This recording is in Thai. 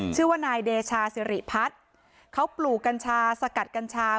ชื่อว่านายเดชาสิริพัฒน์เขาปลูกกัญชาสกัดกัญชา